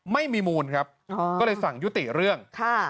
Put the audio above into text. ไม่มีมูลครับก็เลยสั่งยุติเรื่องค่ะ